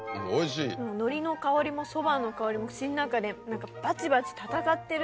海苔の香りも蕎麦の香りも口の中で何かバチバチ戦ってるというか。